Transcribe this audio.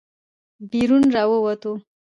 بېرون راووتو.